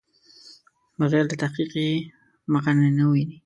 بغیر له تحقیق یې مخه نه ویني.